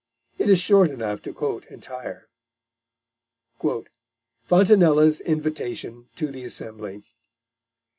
It is short enough to quote entire: FRONTINELLA'S INVITATION TO THE ASSEMBLY.